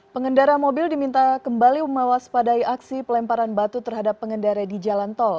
pengendara mobil diminta kembali memawaspadai aksi pelemparan batu terhadap pengendara di jalan tol